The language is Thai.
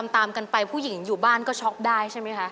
ตามกันไปผู้หญิงอยู่บ้านก็ช็อกได้ใช่ไหมคะ